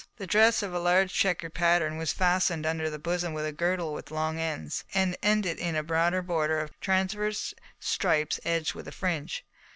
The dress, of a large checkered pattern, was fastened under the bosom with a girdle with long ends, and ended in a broader border of transverse stripes edged with a fringe.